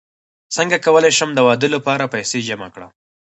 څنګه کولی شم د واده لپاره پیسې جمع کړم